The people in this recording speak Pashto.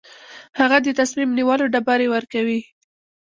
هغه د تصمیم نیولو ډبرې ورکوي.